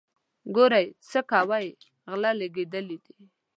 ګورئ څو کوئ غله لګېدلي دي.